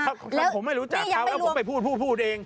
แม่งเขาผมไม่รู้จักเขาแล้วผมไปพูดเอง